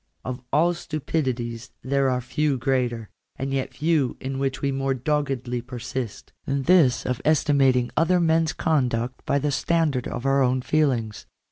Of all stupidities there are few greater, and yet few in which we more doggedly persist, than this of estimating other men's con .duct by the standard of our own feelings.